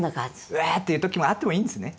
うわっていう時もあってもいいんですね。